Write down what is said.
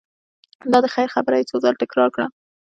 دا د خیر خبره یې څو ځل تکرار کړه.